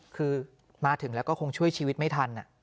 คือมาถึงแล้วก็คงช่วยชีวิตไม่ทัน